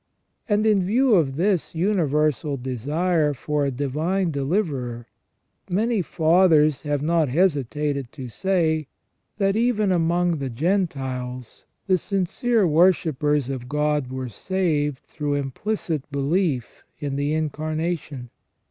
And in view of this universal desire for a divine deliverer, many Fathers have not hesitated to say, that even among the Gentiles the sincere wor shippers of God were saved through implicit belief in the Incarnation.